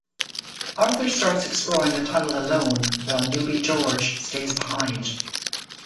Arthur starts exploring the tunnel alone, while newbie George stays behind.